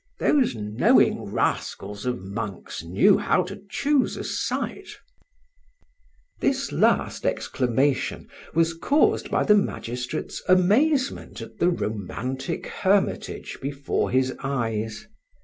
"Those knowing rascals of monks knew how to choose a site!" This last exclamation was caused by the magistrate's amazement at the romantic hermitage before his eyes.